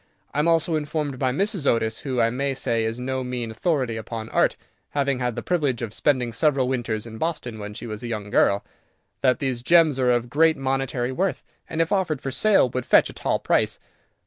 I am also informed by Mrs. Otis, who, I may say, is no mean authority upon Art, having had the privilege of spending several winters in Boston when she was a girl, that these gems are of great monetary worth, and if offered for sale would fetch a tall price.